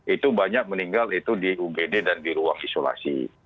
itu banyak meninggal itu di ugd dan di ruang isolasi